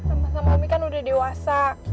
abah sama umi kan udah dewasa